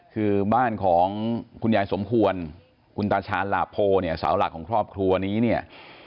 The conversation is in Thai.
คือบ้านของคุณยายสมควรคุณตาชาญหลาโพเนี่ยสาวหลักของครอบครัวนี้เนี่ย